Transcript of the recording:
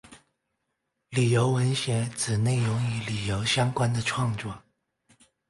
旅游文学指内容与旅游相关的创作。